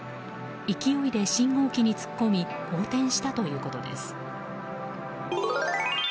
勢いで信号機に突っ込み横転したということです。